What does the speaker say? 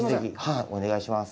お願いします。